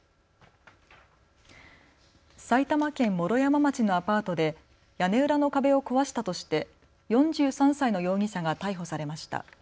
埼玉県毛呂山町のアパートで屋根裏の壁を壊したとして４３歳の容疑者が逮捕されました。